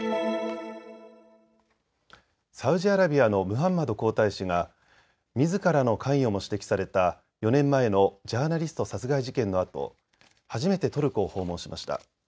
サウジアラビアのムハンマド皇太子がみずからの関与も指摘された４年前のジャーナリスト殺害事件のあと初めてトルコを訪問しました。